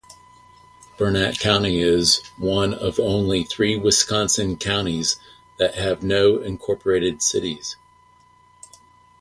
Burnett County is one of only three Wisconsin counties that have no incorporated cities.